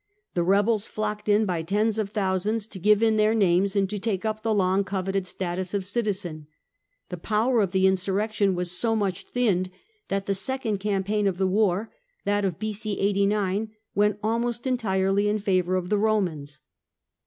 The rebels flocked in by tens of thousands to give in their names and to take up the long coveted status of citizen. The power of the insurrection was so much thinned that the second campaign of the war, that of B.o. 89, went almost entirely in favour of the Romans.